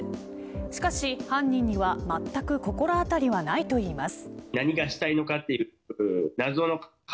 しかし、犯人にはまったく心当たりはないといいます。